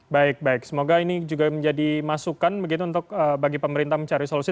baik baik semoga ini juga menjadi masukan begitu untuk bagi pemerintah mencari solusi